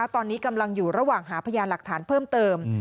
ตอนนี้กำลังอยู่ระหว่างหาพยานหลักฐานเพิ่มเติม